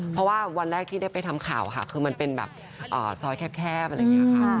เพราะว่าวันแรกที่ได้ไปทำข่าวค่ะคือมันเป็นแบบซอยแคบอะไรอย่างนี้ค่ะ